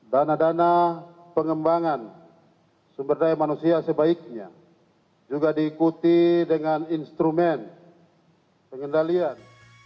dana dana pengembangan sumber daya manusia sebaiknya juga diikuti dengan instrumen pengendalian